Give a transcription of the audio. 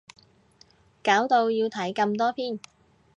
搞到要睇咁多篇